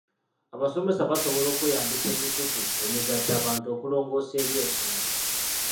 Abasomesa basobola okweyambisa emikutu emigattabantu okulongoosa eby'ensoma?